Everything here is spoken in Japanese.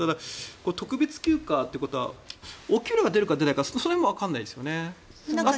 特別休暇ということはお給料が出るか出ないかはわからないですよね。